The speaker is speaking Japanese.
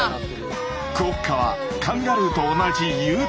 クオッカはカンガルーと同じ有袋類。